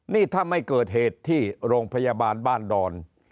นี่ถ้าไม่เกิดเหตุที่โรงพยาบาลบ้านดอน